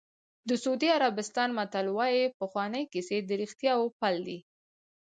د سعودي عربستان متل وایي پخوانۍ کیسې د رښتیاوو پل دی.